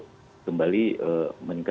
budget dan kompetitif untuk masyarakat